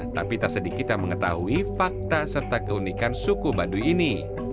tapi tak sedikit yang mengetahui fakta serta keunikan suku baduy ini